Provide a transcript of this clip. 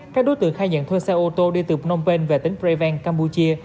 các đối tượng khai nhận thuê xe ô tô đi từ phnom penh về tỉnh preven campuchia